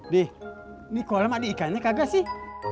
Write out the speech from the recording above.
di ini kolam ada ikannya kagak sih